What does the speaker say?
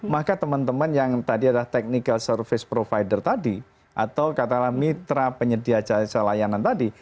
maka teman teman yang tadi adalah technical service provider tadi atau katakanlah mitra penyedia jasa layanan tadi